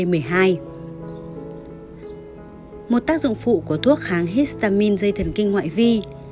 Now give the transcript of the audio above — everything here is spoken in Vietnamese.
một tác dụng phụ của thuốc kháng histamin dây thần kinh ngoại vi